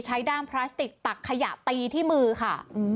ด้ามพลาสติกตักขยะตีที่มือค่ะ